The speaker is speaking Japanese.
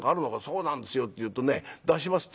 『そうなんですよ』って言うとね出します